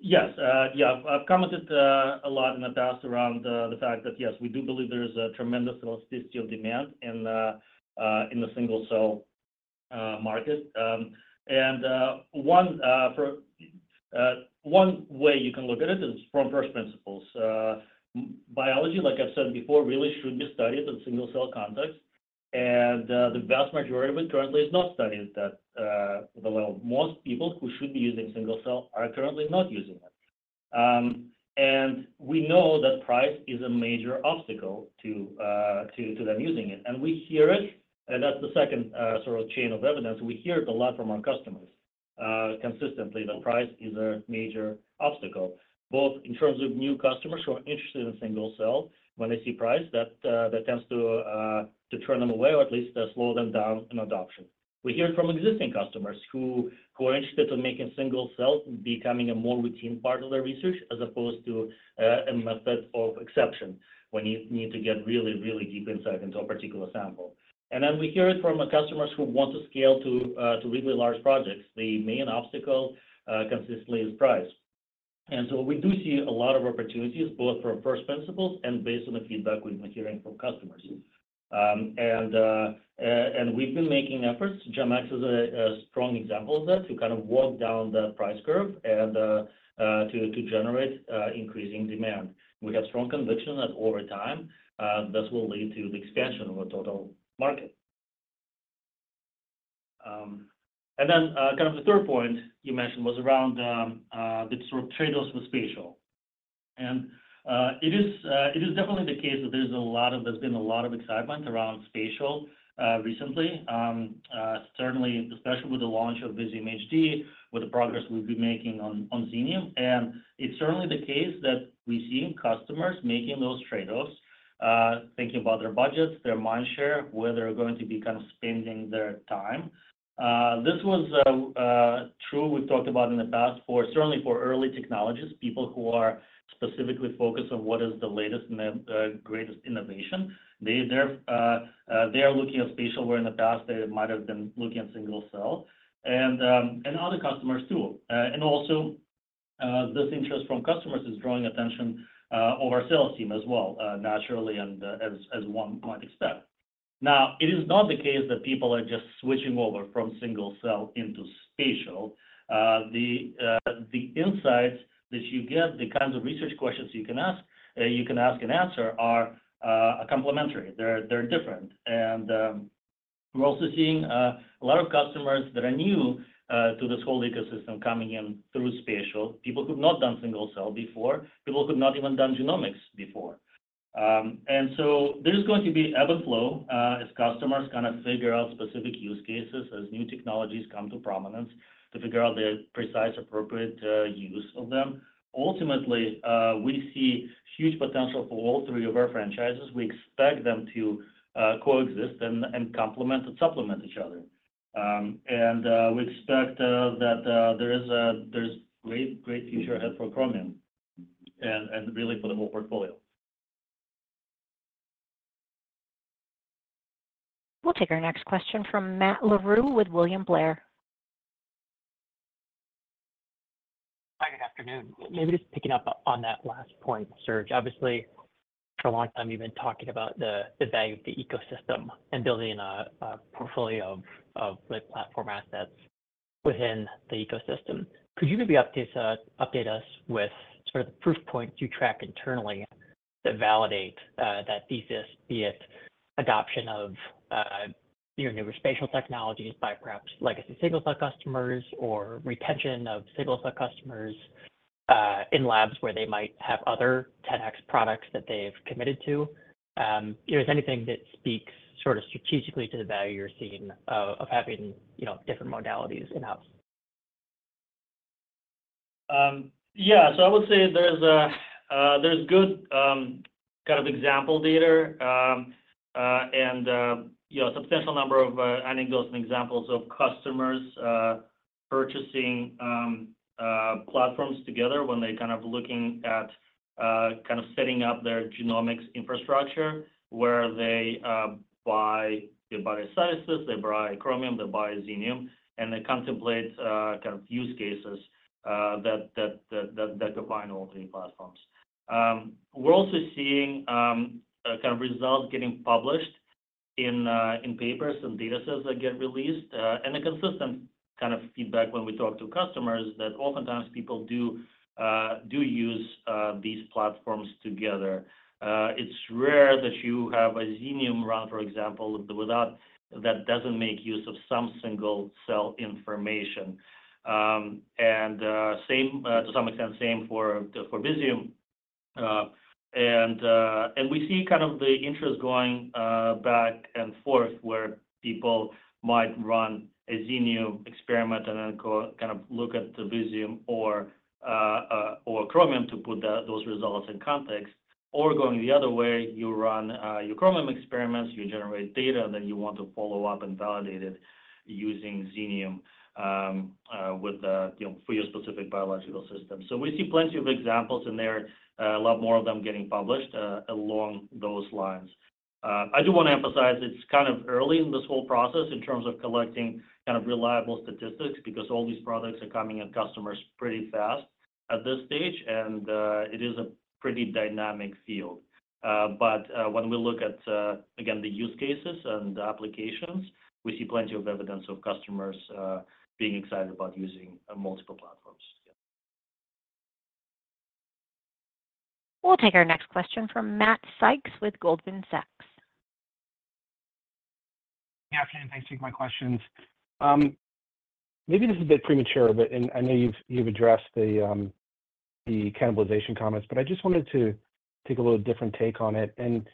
Yes, yeah, I've commented a lot in the past around the fact that, yes, we do believe there is a tremendous elasticity of demand in the single-cell market. And one way you can look at it is from first principles. Biology, like I've said before, really should be studied in single-cell context, and the vast majority of it currently is not studied that... Well, most people who should be using single cell are currently not using it. And we know that price is a major obstacle to them using it, and we hear it, and that's the second sort of chain of evidence. We hear it a lot from our customers. Consistently, the price is a major obstacle, both in terms of new customers who are interested in single cell, when they see price, that tends to turn them away or at least slow them down in adoption. We hear it from existing customers who are interested in making single cell becoming a more routine part of their research, as opposed to a method of exception, when you need to get really, really deep insight into a particular sample. And then we hear it from customers who want to scale to really large projects. The main obstacle consistently is price. So we do see a lot of opportunities, both for first principles and based on the feedback we've been hearing from customers. We've been making efforts. GEM-X is a strong example of that, to kind of walk down the price curve and to generate increasing demand. We have strong conviction that over time this will lead to the expansion of the total market. And then kind of the third point you mentioned was around the sort of trade-offs with spatial. And it is definitely the case that there's been a lot of excitement around spatial recently. Certainly, especially with the launch of Visium HD, with the progress we've been making on Xenium. It's certainly the case that we're seeing customers making those trade-offs, thinking about their budgets, their mind share, where they're going to be kind of spending their time. This was true, we talked about in the past certainly for early technologists, people who are specifically focused on what is the latest and the greatest innovation. They are looking at spatial, where in the past they might have been looking at single cell, and other customers too. And also, this interest from customers is drawing attention of our sales team as well, naturally, and as one might expect. Now, it is not the case that people are just switching over from single cell into spatial. The insights that you get, the kinds of research questions you can ask, you can ask and answer are complementary. They're different. And we're also seeing a lot of customers that are new to this whole ecosystem coming in through spatial, people who've not done single cell before, people who've not even done genomics before. And so there is going to be ebb and flow as customers kind of figure out specific use cases, as new technologies come to prominence, to figure out the precise, appropriate use of them. Ultimately we see huge potential for all three of our franchises. We expect them to coexist and complement and supplement each other. We expect that there's great, great future ahead for Chromium and really for the whole portfolio. We'll take our next question from Matt Larew with William Blair. Good afternoon. Maybe just picking up on that last point, Serge. Obviously, for a long time, you've been talking about the value of the ecosystem and building a portfolio of like platform assets within the ecosystem. Could you maybe update us with sort of the proof points you track internally that validate that thesis, be it adoption of your newer spatial technologies by perhaps legacy single-cell customers, or retention of single-cell customers in labs where they might have other 10x products that they've committed to? Is there anything that speaks sort of strategically to the value you're seeing of having, you know, different modalities in-house? Yeah. So I would say there's a, there's good, kind of example data. And, you know, a substantial number of, anecdotes and examples of customers, purchasing, platforms together when they're kind of looking at, kind of setting up their genomics infrastructure, where they buy, they buy a Visium, they buy Chromium, they buy Xenium, and they contemplate, kind of use cases, that combine all three platforms. We're also seeing, kind of results getting published in, in papers and datasets that get released. And the consistent kind of feedback when we talk to customers, that oftentimes people do use, these platforms together. It's rare that you have a Xenium run, for example, without that doesn't make use of some single-cell information. And, to some extent, same for Visium. And we see kind of the interest going back and forth, where people might run a Xenium experiment and then go kind of look at the Visium or Chromium to put those results in context. Or going the other way, you run your Chromium experiments, you generate data, and then you want to follow up and validate it using Xenium, with you know, for your specific biological system. So we see plenty of examples in there, a lot more of them getting published along those lines. I do want to emphasize, it's kind of early in this whole process in terms of collecting kind of reliable statistics, because all these products are coming at customers pretty fast at this stage, and it is a pretty dynamic field. But when we look at again, the use cases and the applications, we see plenty of evidence of customers being excited about using multiple platforms. Yeah. We'll take our next question from Matt Sykes with Goldman Sachs. Good afternoon, thanks for taking my questions. Maybe this is a bit premature, but, and I know you've addressed the cannibalization comments, but I just wanted to take a little different take on it. And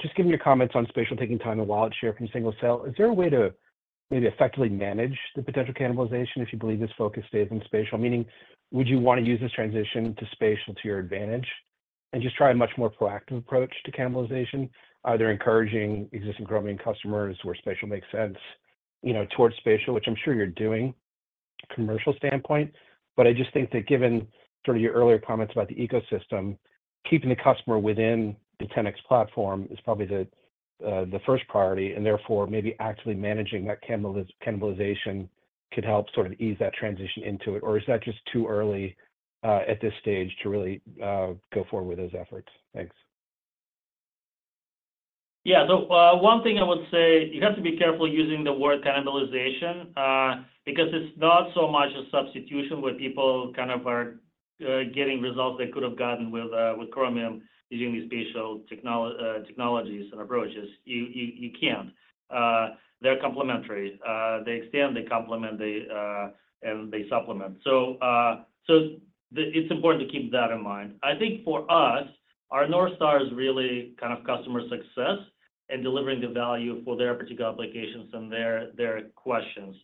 just given your comments on spatial taking time and wallet share from single-cell, is there a way to maybe effectively manage the potential cannibalization if you believe this focus stays in spatial? Meaning, would you want to use this transition to spatial to your advantage, and just try a much more proactive approach to cannibalization, either encouraging existing Chromium customers where spatial makes sense, you know, towards spatial, which I'm sure you're doing, commercial standpoint. But I just think that given sort of your earlier comments about the ecosystem, keeping the customer within the 10x platform is probably the first priority, and therefore, maybe actively managing that cannibalization could help sort of ease that transition into it. Or is that just too early at this stage to really go forward with those efforts? Thanks. Yeah. So, one thing I would say, you have to be careful using the word cannibalization, because it's not so much a substitution where people kind of are getting results they could have gotten with Chromium using these spatial technologies and approaches. You can't. They're complementary. They extend, they complement, and they supplement. So, it's important to keep that in mind. I think for us, our North Star is really kind of customer success and delivering the value for their particular applications and their questions.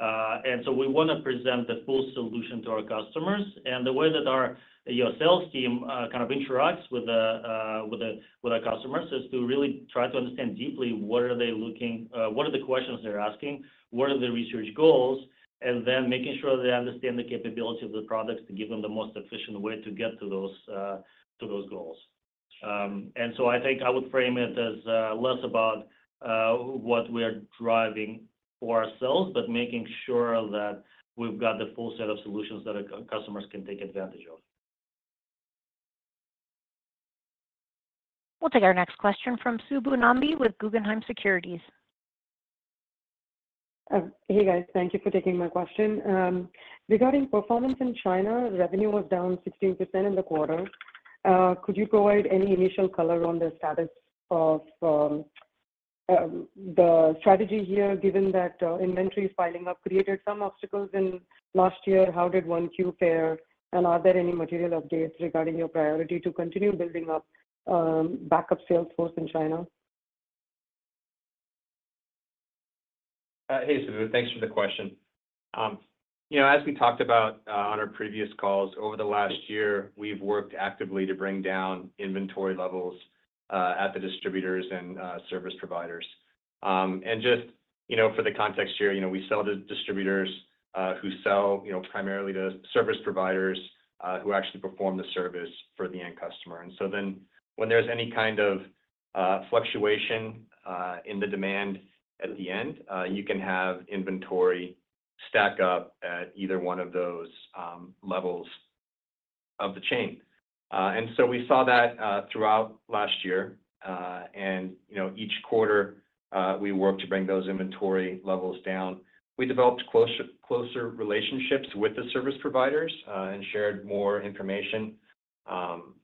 And so we want to present the full solution to our customers. And the way that our, you know, sales team kind of interacts with our customers is to really try to understand deeply what are they looking... What are the questions they're asking, what are their research goals, and then making sure they understand the capability of the products to give them the most efficient way to get to those goals. So I think I would frame it as less about what we are driving for ourselves, but making sure that we've got the full set of solutions that our customers can take advantage of. We'll take our next question from Subbu Nambi with Guggenheim Securities. Hey, guys. Thank you for taking my question. Regarding performance in China, revenue was down 16% in the quarter. Could you provide any initial color on the status of the strategy here, given that inventories piling up created some obstacles in last year? How did 1Q fare, and are there any material updates regarding your priority to continue building up backup sales force in China? Hey, Subbu, thanks for the question. You know, as we talked about on our previous calls, over the last year, we've worked actively to bring down inventory levels at the distributors and service providers. And just, you know, for the context here, you know, we sell to distributors who sell, you know, primarily to service providers who actually perform the service for the end customer. And so then, when there's any kind of fluctuation in the demand at the end, you can have inventory stack up at either one of those levels of the chain. And so we saw that throughout last year. And, you know, each quarter, we worked to bring those inventory levels down. We developed closer, closer relationships with the service providers and shared more information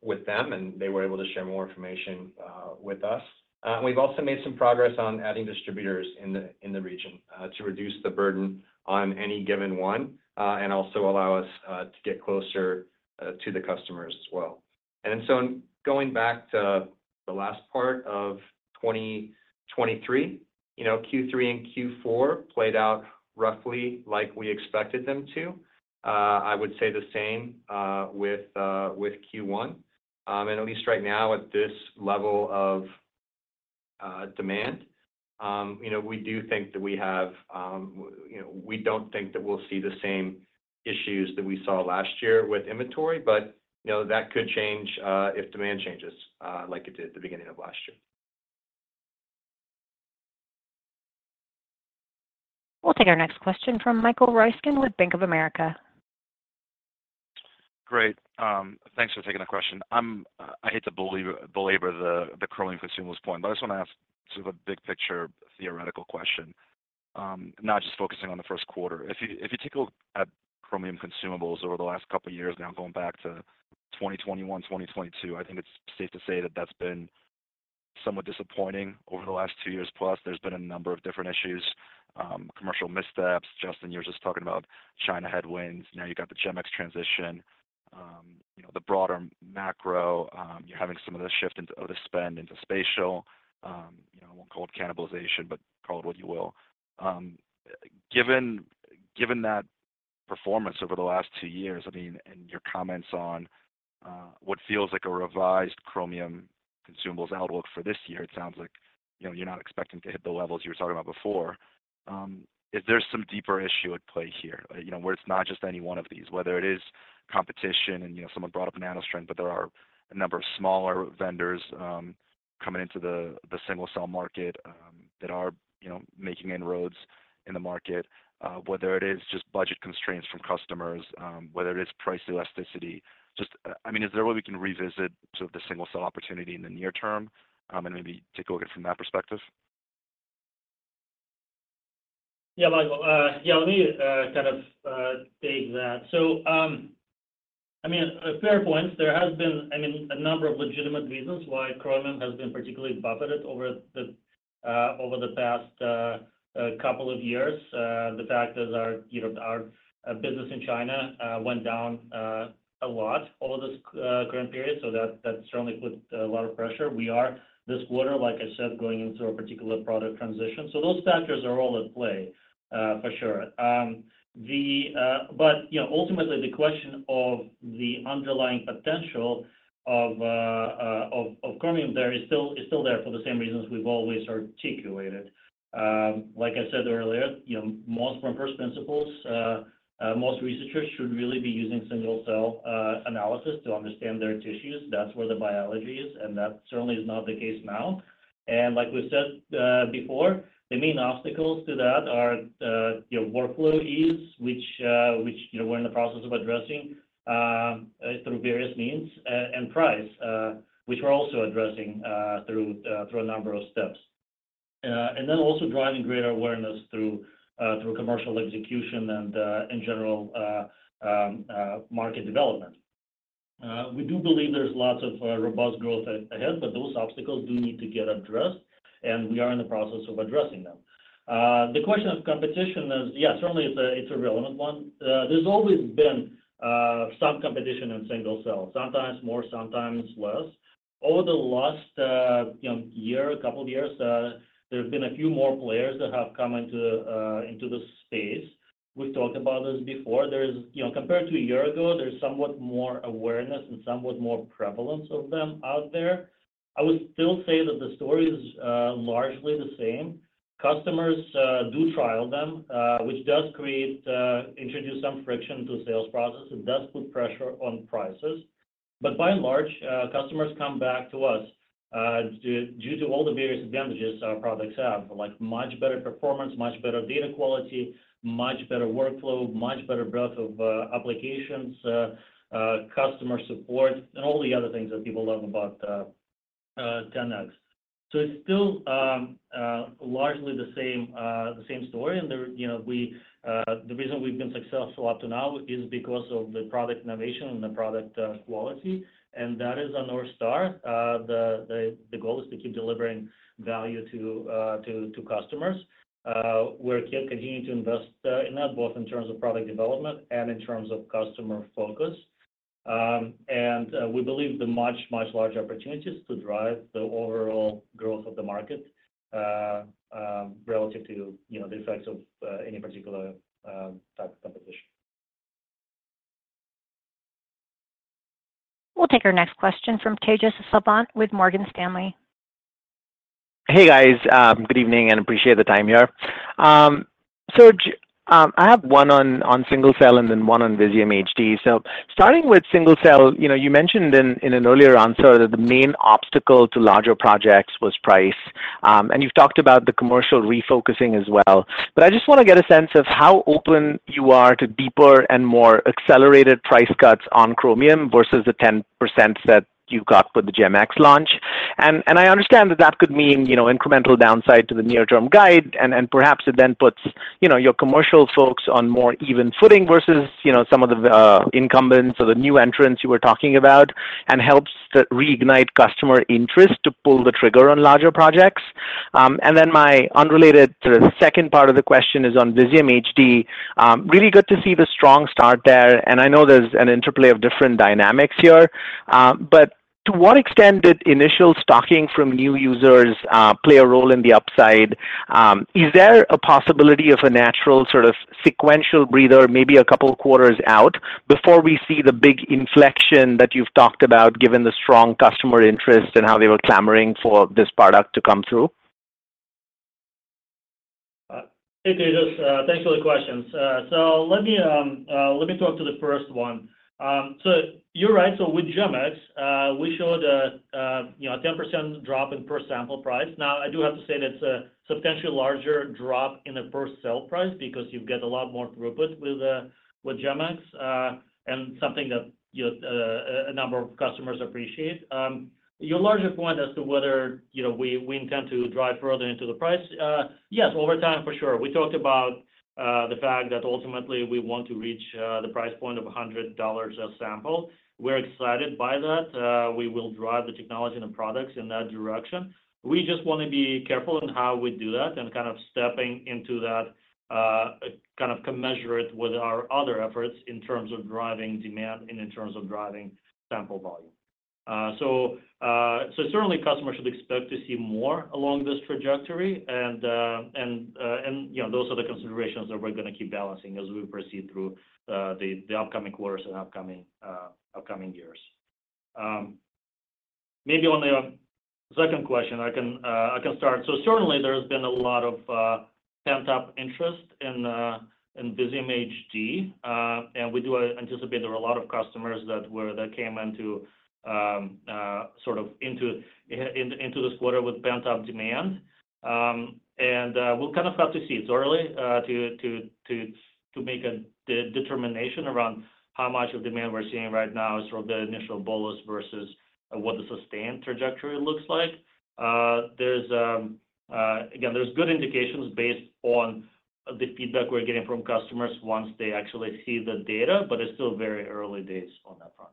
with them, and they were able to share more information with us. We've also made some progress on adding distributors in the region to reduce the burden on any given one and also allow us to get closer to the customers as well. And so going back to the last part of 2023, you know, Q3 and Q4 played out roughly like we expected them to. I would say the same with Q1. And at least right now at this level of demand, you know, we do think that we have, you know—we don't think that we'll see the same issues that we saw last year with inventory, but, you know, that could change if demand changes like it did at the beginning of last year. We'll take our next question from Michael Ryskin with Bank of America. Great. Thanks for taking the question. I hate to belabor the Chromium consumables point, but I just want to ask sort of a big picture, theoretical question, not just focusing on the Q1. If you take a look at Chromium consumables over the last couple of years now, going back to 2021, 2022, I think it's safe to say that that's been somewhat disappointing over the last two years. Plus, there's been a number of different issues, commercial missteps. Justin, you were just talking about China headwinds, now you got the GEM-X transition, you know, the broader macro. You're having some of the shift into other spend, into spatial, you know, I won't call it cannibalization, but call it what you will. Given that performance over the last two years, I mean, and your comments on what feels like a revised Chromium consumables outlook for this year, it sounds like, you know, you're not expecting to hit the levels you were talking about before. Is there some deeper issue at play here? You know, where it's not just any one of these, whether it is competition and, you know, someone brought up NanoString, but there are a number of smaller vendors coming into the single-cell market that are, you know, making inroads in the market. Whether it is just budget constraints from customers, whether it is price elasticity. Just, I mean, is there a way we can revisit sort of the single-cell opportunity in the near term, and maybe take a look at it from that perspective? Yeah, Michael. Yeah, let me kind of take that. So, I mean, a fair point. There has been, I mean, a number of legitimate reasons why Chromium has been particularly buffeted over the past couple of years. The fact is our, you know, our business in China went down a lot over this current period, so that certainly put a lot of pressure. We are this quarter, like I said, going into a particular product transition. So those factors are all at play for sure. But, you know, ultimately, the question of the underlying potential of Chromium there is still there for the same reasons we've always articulated. Like I said earlier, you know, most from first principles, most researchers should really be using Single-cell analysis to understand their tissues. That's where the biology is, and that certainly is not the case now. And like we said before, the main obstacles to that are, you know, workflow ease, which you know, we're in the process of addressing through various means, and price, which we're also addressing through a number of steps. And then also driving greater awareness through commercial execution and, in general, market development. We do believe there's lots of robust growth ahead, but those obstacles do need to get addressed, and we are in the process of addressing them. The question of competition is, yeah, certainly it's a relevant one. There's always been some competition in single cell, sometimes more, sometimes less. Over the last, you know, year, a couple of years, there's been a few more players that have come into into this space. We've talked about this before. There's, you know, compared to a year ago, there's somewhat more awareness and somewhat more prevalence of them out there. I would still say that the story is largely the same. Customers do trial them, which does create introduce some friction to the sales process. It does put pressure on prices, but by and large, customers come back to us due to all the various advantages our products have, like much better performance, much better data quality, much better workflow, much better breadth of applications, customer support, and all the other things that people love about 10X. So it's still largely the same story. And there, you know, we the reason we've been successful up to now is because of the product innovation and the product quality, and that is our North Star. The goal is to keep delivering value to customers. We're continuing to invest in that, both in terms of product development and in terms of customer focus. We believe the much, much larger opportunity is to drive the overall growth of the market, relative to, you know, the effects of any particular type of competition. We'll take our next question from Tejas Savant with Morgan Stanley. Hey, guys. Good evening, and appreciate the time here. So I have one on single-cell and then one on Visium HD. Starting with single-cell, you know, you mentioned in an earlier answer that the main obstacle to larger projects was price, and you've talked about the commercial refocusing as well. But I just want to get a sense of how open you are to deeper and more accelerated price cuts on Chromium versus the 10% that you got for the GEM-X launch. I understand that that could mean, you know, incremental downside to the near-term guide, and, and perhaps it then puts, you know, your commercial folks on more even footing versus, you know, some of the incumbents or the new entrants you were talking about, and helps to reignite customer interest to pull the trigger on larger projects. And then my unrelated sort of second part of the question is on Visium HD. Really good to see the strong start there, and I know there's an interplay of different dynamics here, but to what extent did initial stocking from new users play a role in the upside? Is there a possibility of a natural sort of sequential breather, maybe a couple of quarters out, before we see the big inflection that you've talked about, given the strong customer interest and how they were clamoring for this product to come through? Hey, Tejas, thanks for the questions. So let me talk to the first one. So you're right. So with GEM-X, we showed a, you know, a 10% drop in per sample price. Now, I do have to say that's a substantially larger drop in the per sale price because you get a lot more throughput with GEM-X, and something that, you know, a number of customers appreciate. Your larger point as to whether, you know, we intend to drive further into the price, yes, over time, for sure. We talked about the fact that ultimately we want to reach the price point of $100 a sample. We're excited by that. We will drive the technology and the products in that direction. We just want to be careful in how we do that and kind of stepping into that, kind of commensurate it with our other efforts in terms of driving demand and in terms of driving sample volume. So certainly, customers should expect to see more along this trajectory, and, you know, those are the considerations that we're going to keep balancing as we proceed through the upcoming quarters and upcoming years. Maybe on the second question, I can start. So certainly, there's been a lot of pent-up interest in Visium HD, and we do anticipate there are a lot of customers that came into sort of this quarter with pent-up demand. And we'll kind of have to see. It's early to make a determination around how much of demand we're seeing right now is from the initial bolus versus what the sustained trajectory looks like. Again, there's good indications based on the feedback we're getting from customers once they actually see the data, but it's still very early days on that front.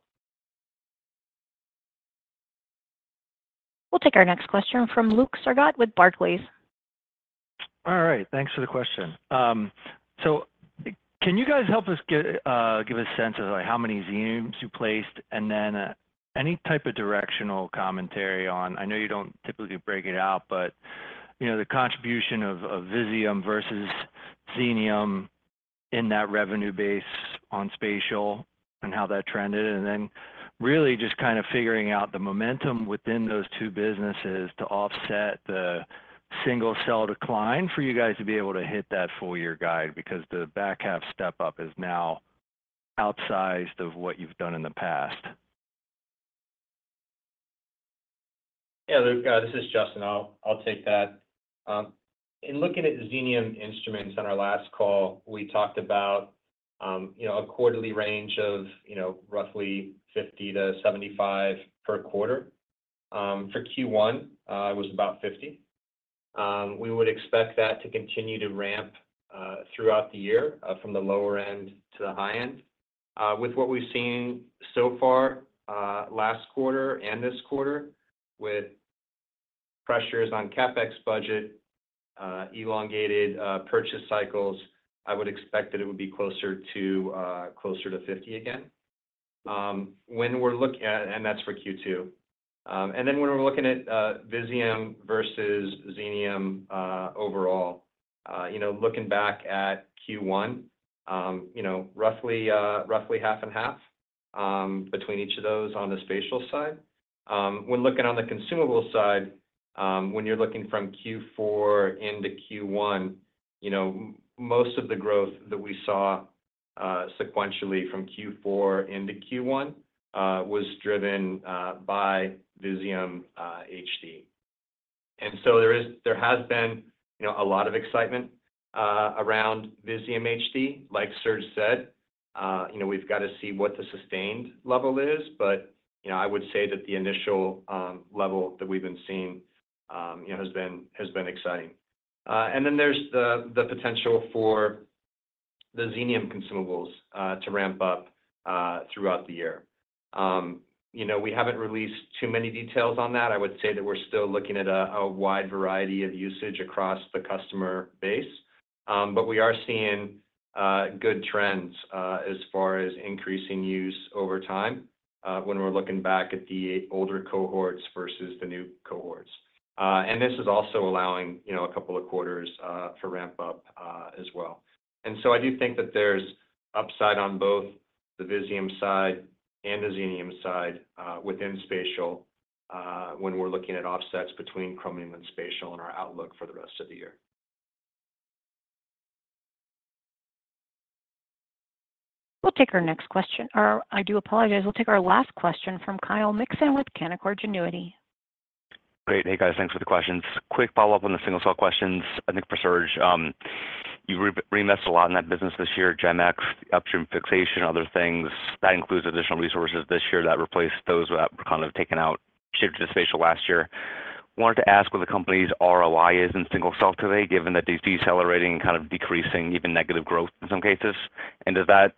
We'll take our next question from Luke Sergott with Barclays. All right, thanks for the question. So can you guys help us get, give a sense of, like, how many Xeniums you placed? And then, any type of directional commentary on... I know you don't typically break it out, but, you know, the contribution of, of Visium versus Xenium in that revenue base on spatial and how that trended, and then really just kind of figuring out the momentum within those two businesses to offset the single-cell decline for you guys to be able to hit that full year guide, because the back half step up is now outsized of what you've done in the past. Yeah, Luke, this is Justin. I'll, I'll take that. In looking at Xenium instruments on our last call, we talked about, you know, a quarterly range of, you know, roughly 50-75 per quarter. For Q1, it was about 50. We would expect that to continue to ramp throughout the year, from the lower end to the high end. With what we've seen so far, last quarter and this quarter, with pressures on CapEx budget, elongated purchase cycles, I would expect that it would be closer to closer to 50 again. And that's for Q2. And then when we're looking at Visium versus Xenium, overall, you know, looking back at Q1, you know, roughly, roughly half and half between each of those on the spatial side. When looking on the consumable side, when you're looking from Q4 into Q1, you know, most of the growth that we saw sequentially from Q4 into Q1 was driven by Visium HD. And so there is, there has been, you know, a lot of excitement around Visium HD, like Serge said. You know, we've got to see what the sustained level is, but, you know, I would say that the initial level that we've been seeing, you know, has been, has been exciting. And then there's the, the potential for the Xenium consumables to ramp up throughout the year. You know, we haven't released too many details on that. I would say that we're still looking at a wide variety of usage across the customer base, but we are seeing good trends as far as increasing use over time when we're looking back at the older cohorts versus the new cohorts. And this is also allowing, you know, a couple of quarters to ramp up as well. So I do think that there's upside on both the Visium side and the Xenium side within spatial when we're looking at offsets between Chromium and spatial and our outlook for the rest of the year. We'll take our next question, or I do apologize. We'll take our last question from Kyle Mikson with Canaccord Genuity. Great. Hey, guys, thanks for the questions. Quick follow-up on the single cell questions, I think for Serge. You reinvested a lot in that business this year, GEM-X, upstream fixation, other things. That includes additional resources this year that replaced those that were kind of taken out, shifted to spatial last year. Wanted to ask what the company's ROI is in single cell today, given that it's decelerating and kind of decreasing, even negative growth in some cases. And does that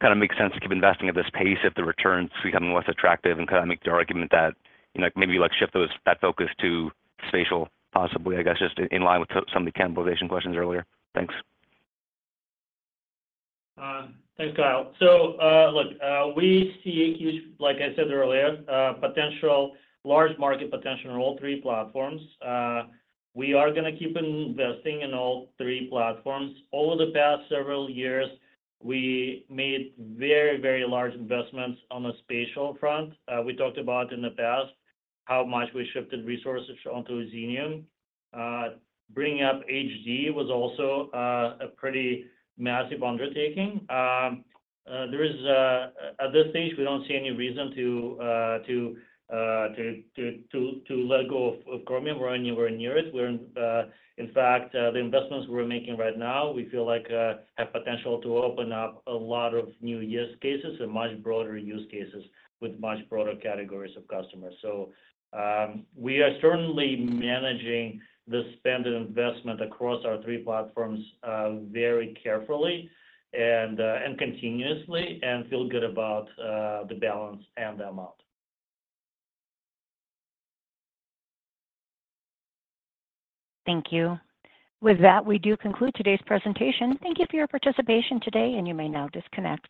kind of make sense to keep investing at this pace if the returns become less attractive and kind of make the argument that, you know, maybe like shift those—that focus to spatial, possibly, I guess, just in line with some of the cannibalization questions earlier? Thanks. Thanks, Kyle. So, look, we see a huge, like I said earlier, potential, large market potential in all three platforms. We are gonna keep investing in all three platforms. Over the past several years, we made very, very large investments on the spatial front. We talked about in the past, how much we shifted resources onto Xenium. Bringing up HD was also a pretty massive undertaking. At this stage, we don't see any reason to let go of Chromium. We're anywhere near it. In fact, the investments we're making right now, we feel like, have potential to open up a lot of new use cases and much broader use cases with much broader categories of customers. So, we are certainly managing the spend and investment across our three platforms very carefully and continuously, and feel good about the balance and the amount. Thank you. With that, we do conclude today's presentation. Thank you for your participation today, and you may now disconnect.